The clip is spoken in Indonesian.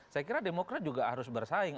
saya kira demokrat juga harus bersaing